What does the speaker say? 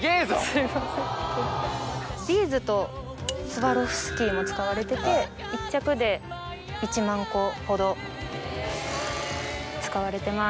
ビーズとスワロフスキーも使われてて１着で１万個ほど使われてます。